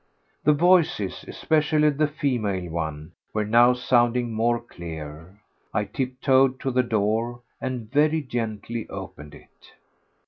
The voices, especially the female one, were now sounding more clear. I tiptoed to the door, and very gently opened it.